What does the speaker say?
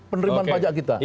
penerimaan pajak kita